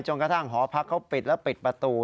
กระทั่งหอพักเขาปิดแล้วปิดประตู